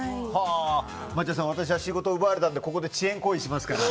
抹茶さん私は仕事を奪われたのでここで遅延行為しますから。